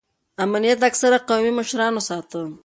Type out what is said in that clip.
امنیت اکثره قومي مشرانو ساته.